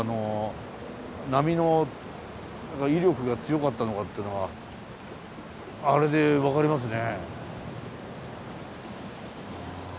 波の威力が強かったのかってのがあれで分かりますね。